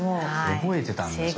覚えてたんだよ